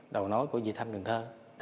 đầu nối của dị thanh cần thơ